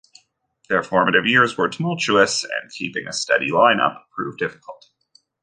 Their formative years were tumultuous and keeping a steady line-up proved difficult.